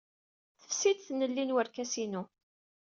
Tefsi-d tnelli n werkas-inu.